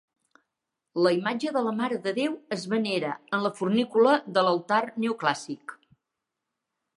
La imatge de la Mare de Déu es venera en la fornícula de l'altar neoclàssic.